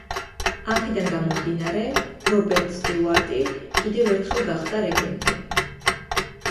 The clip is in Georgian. აქედან გამომდინარე, რობერტ სტიუარტი კიდევ ერთხელ გახდა რეგენტი.